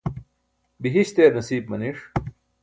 bihiśt eer nasiip maniṣ